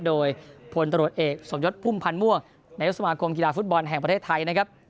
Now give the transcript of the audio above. โดยพลตรวจเอกสมยศพุ่มพันธ์ม่วงนายกสมาคมกีฬาฟุตบอลแห่งประเทศไทยนะครับ